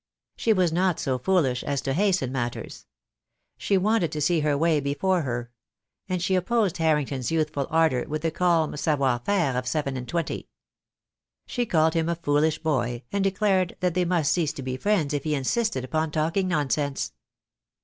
She was not so foolish as to hasten matters. She wanted to see her way before her; and she opposed Harrington'" s youthful ardour with the calm savoir faire of seven and twenty. She called him a foolish boy, and declared that they must cease to be friends if he insisted upon talking nonsense.